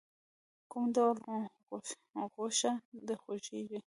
کوم ډول غوښه د خوښیږی؟